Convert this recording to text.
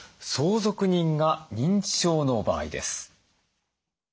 相続人が認知症の場合です。